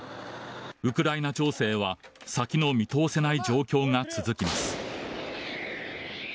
ウクライナ情勢は先の見通せない状況が続きます。